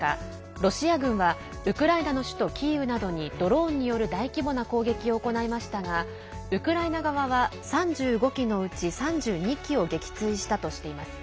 ロシア軍はウクライナの首都キーウなどにドローンによる大規模な攻撃を行いましたがウクライナ側は３５機のうち３２機を撃墜したとしています。